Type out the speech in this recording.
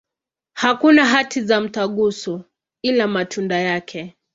Hakuna hati za mtaguso, ila matunda yake.